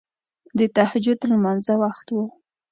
د تهجد لمانځه وخت وو.